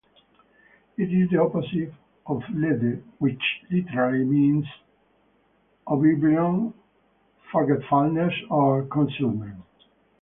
It is the opposite of lethe, which literally means "oblivion", "forgetfulness", or "concealment".